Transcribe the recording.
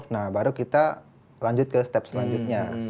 nah baru kita lanjut ke step selanjutnya